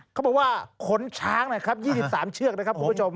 เขาบอกว่าขนช้างนะครับ๒๓เชือกนะครับคุณผู้ชม